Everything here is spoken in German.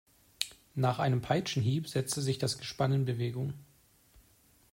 Nach einem Peitschenhieb setzte sich das Gespann in Bewegung.